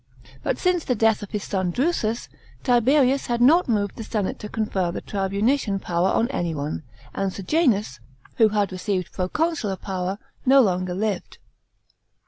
But since the death of his son Drusus, Tiberius had not moved the senate to confer the tribunician power on any one; and Sejanus, who had r«ceived proconsular power, no longer lived.